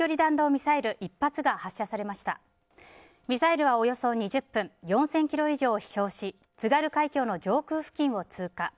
ミサイルはおよそ２０分４０００ｋｍ以上を飛翔し津軽海峡の上空付近を通過。